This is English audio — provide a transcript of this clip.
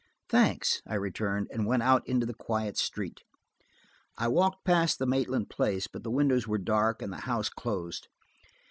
"Thanks," I returned, and went out into the quiet street. I walked past the Maitland place, but the windows were dark and the house closed.